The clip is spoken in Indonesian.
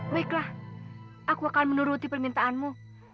baiklah aku akan menuruti permintaanmu